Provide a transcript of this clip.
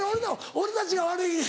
俺たちが悪い。